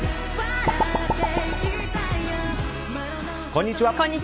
こんにちは。